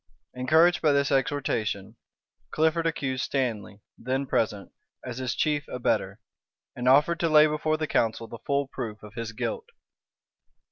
Encouraged by this exhortation, Clifford accused Stanley, then present, as his chief abettor; and offered to lay before the council the full proof of his guilt.